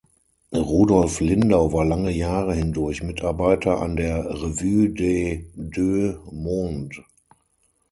Rudolf Lindau war lange Jahre hindurch Mitarbeiter an der "Revue des Deux Mondes".